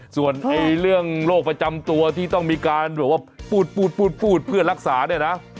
ส่วนเรื่องโรคประจำตัวที่ต้องมีการแบบว่าพูดเพื่อรักษาเนี่ยนะ